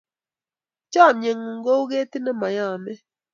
Chamyengun ko u ketit ne mayamei